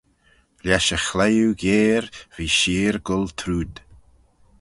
Lesh e chliwe geyre v'eh sheer goll trooid.